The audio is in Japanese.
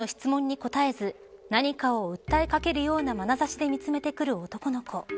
主人公の質問に答えず何かを訴えかけるようなまなざしで見つめてくる男の子。